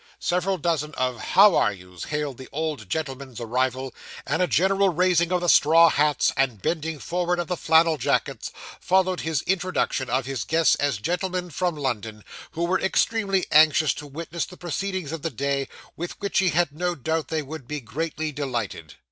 Several dozen of 'How are you's?' hailed the old gentleman's arrival; and a general raising of the straw hats, and bending forward of the flannel jackets, followed his introduction of his guests as gentlemen from London, who were extremely anxious to witness the proceedings of the day, with which, he had no doubt, they would be greatly delighted.